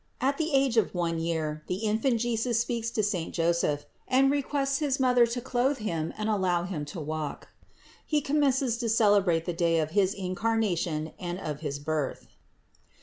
AT THE AGE OF ONE YEAR THE INFANT JESUS SPEAKS TO SAINT JOSEPH AND REQUESTS HIS MOTHER TO CLOTHE HIM AND ALLOW HIM TO WALK. HE COM MENCES TO CELEBRATE THE DAY OF HIS INCARNA TION AND OF HIS BIRTH.